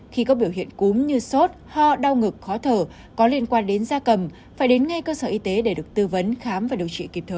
khi có biểu hiện cúm như sốt ho đau ngực khó thở có liên quan đến da cầm phải đến ngay cơ sở y tế để được tư vấn khám và điều trị kịp thời